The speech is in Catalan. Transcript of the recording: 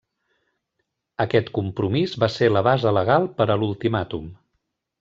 Aquest compromís va ser la base legal per a l'Ultimàtum.